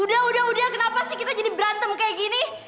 udah udah kenapa sih kita jadi berantem kayak gini